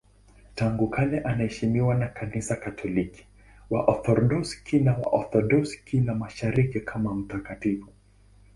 Tangu kale anaheshimiwa na Kanisa Katoliki, Waorthodoksi na Waorthodoksi wa Mashariki kama mtakatifu.